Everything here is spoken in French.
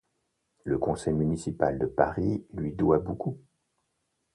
Le Conseil Municipal de Paris lui doit beaucoup.